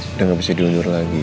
udah nggak bisa diundur lagi